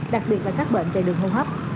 đặc biệt là các bệnh tệ đường hô hấp